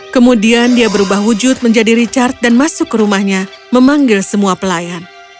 kemudian dia berubah wujud menjadi richard dan masuk ke rumahnya memanggil semua pelayan